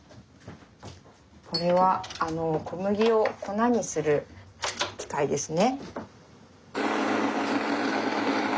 これは小麦を粉にする機械ですね。